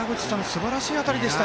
すばらしい当たりでした。